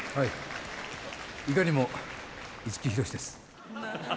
いかにも五木ひろしです。